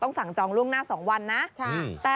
ต้องสั่งจองล่วงหน้าสองวันนะ